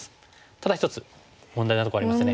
ただ一つ問題なとこありますよね。